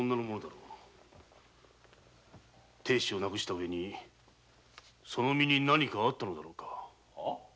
亭主を亡くした上にその身になにかあったのだろうか？